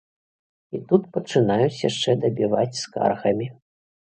І тут пачынаюць яшчэ дабіваць скаргамі.